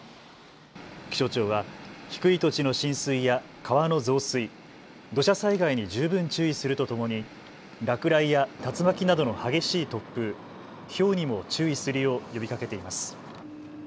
気象庁は低い土地の浸水や川の増水、土砂災害に十分注意するとともに落雷や竜巻などの激しい突風、ひょうにも注意するよう呼びかけています。